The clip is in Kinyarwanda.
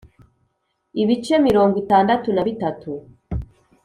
Ibice mirongo itandatu na bitatu.